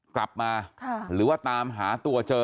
กลับมาหรือว่าตามหาตัวเจอ